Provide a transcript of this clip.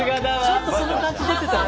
ちょっとその感じ出てた。